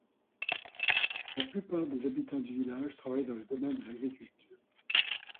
La plupart des habitants du village travaillent dans le domaine de l'agriculture.